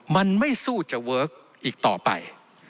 มันไม่สู้จะเวิร์คอีกต่อไป